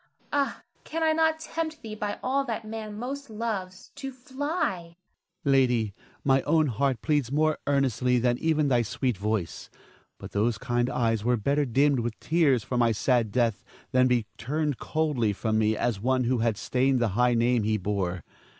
Ah, can I not tempt thee by all that man most loves, to fly? Ernest. Lady, my own heart pleads more earnestly than even thy sweet voice; but those kind eyes were better dimmed with tears for my sad death than be turned coldly from me as one who had stained the high name he bore.